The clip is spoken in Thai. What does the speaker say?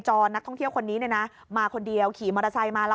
นักท่องเที่ยวคนนี้มาคนเดียวขี่มอเตอร์ไซค์มาแล้ว